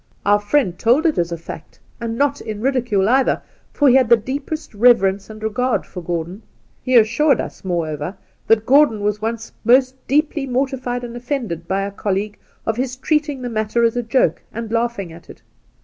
Our friend told it as a fact, and not in ridicule, either, for he had the deepest reverence and regard for Gordon. He assured us, moreover, that Gordon was once most deeply mortified and ofiended by a colleague of his treating the matter as a joke and laughing at it.